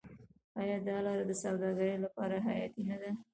آیا دا لاره د سوداګرۍ لپاره حیاتي نه ده؟